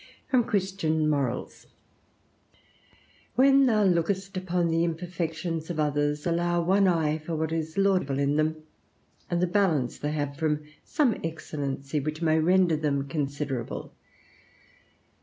FROM 'CHRISTIAN MORALS' When thou lookest upon the imperfections of others, allow one eye for what is laudable in them, and the balance they have from some excellency, which may render them considerable.